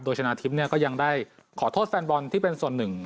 โดยชนะทิพย์ก็ยังได้ขอโทษแฟนบอลที่เป็นส่วนหนึ่ง